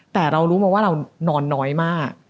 แต่เรารู้มาว่าเรานอนน้อยมาก